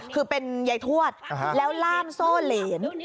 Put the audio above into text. คือเป็นยายทวดแล้วล่ามโซ่เหรน